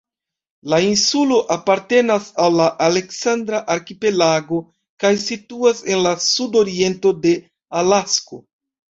La insulo apartenas al la "Aleksandra arkipelago" kaj situas en la sudoriento de Alasko.